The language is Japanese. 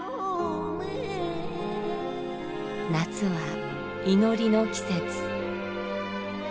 夏は祈りの季節。